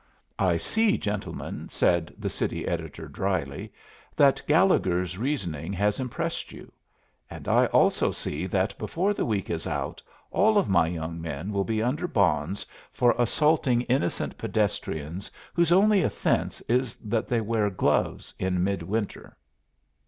"I see, gentlemen," said the city editor, dryly, "that Gallegher's reasoning has impressed you; and I also see that before the week is out all of my young men will be under bonds for assaulting innocent pedestrians whose only offense is that they wear gloves in midwinter."